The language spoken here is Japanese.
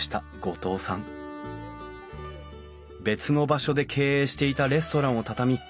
別の場所で経営していたレストランを畳み